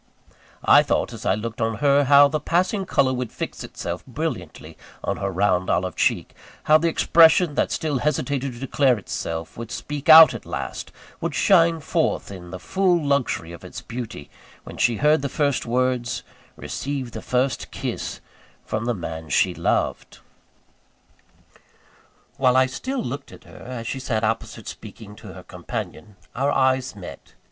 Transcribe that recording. I thought, as I looked on her, how the passing colour would fix itself brilliantly on her round, olive cheek; how the expression that still hesitated to declare itself, would speak out at last, would shine forth in the full luxury of its beauty, when she heard the first words, received the first kiss, from the man she loved! While I still looked at her, as she sat opposite speaking to her companion, our eyes met.